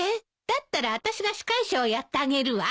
だったらあたしが司会者をやってあげるわ。